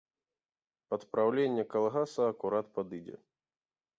Пад праўленне калгаса акурат падыдзе.